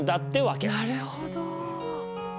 なるほど。